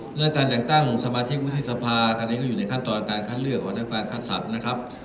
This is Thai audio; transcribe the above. เรื่องการจังตั้งสมาธิกวุฒิทธิสภาคันนี้ก็อยู่ในขั้นตอนการคัดเลือกของท่านการคัดศัพท์นะครับ